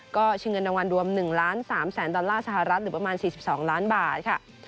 ก็ชิงเงินรางวัลรวม๑ล้าน๓แสนดอลลาร์สหรัฐหรือประมาณ๔๒ล้านบาทค่ะ